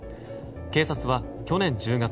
警察は、去年１０月